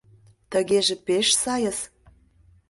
Тыгеже пеш сайыс.